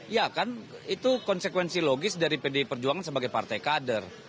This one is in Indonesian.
ya kan itu konsekuensi logis dari pdi perjuangan sebagai partai kader